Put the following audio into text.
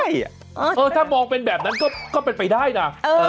ใช่ถ้ามองเป็นแบบนั้นก็เป็นไปได้นะ